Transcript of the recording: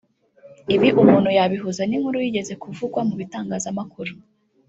Ibi umuntu yabihuza n’inkuru yigeze kuvugwa mu bitangazamakuru